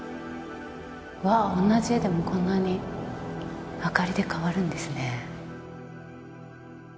わぁ同じ絵でもこんなに明かりで変わるんですね。